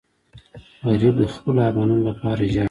غریب د خپلو ارمانونو لپاره ژاړي